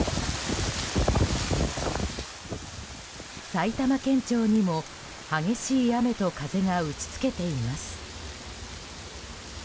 埼玉県庁にも激しい雨と風が打ち付けています。